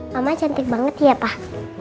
mama cantik banget ya pak